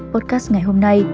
podcast ngày hôm nay